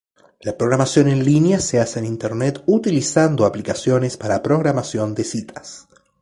La programación en línea se hace en Internet utilizando aplicaciones para programación de citas.